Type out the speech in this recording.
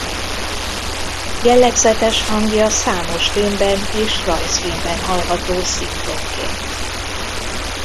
Jellegzetes hangja számos filmben és rajzfilmben hallható szinkronként.